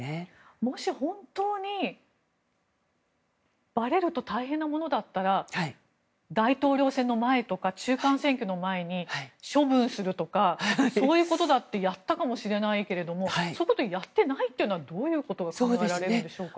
もし、本当にばれると大変なものだったら大統領選の前とか中間選挙の前に処分するとかそういうことだってやったかもしれないけれどもそういうことをやっていないのはどういうことが考えられますか？